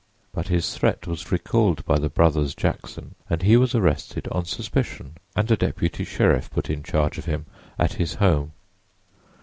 But his threat was recalled by the brothers Jackson and he was arrested on suspicion and a deputy sheriff put in charge of him at his home.